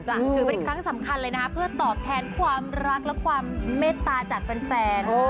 ถือเป็นครั้งสำคัญเลยนะคะเพื่อตอบแทนความรักและความเมตตาจากแฟน